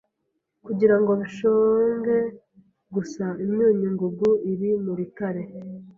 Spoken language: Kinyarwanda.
kugirango bishonge gusa imyunyu ngugu iri murutare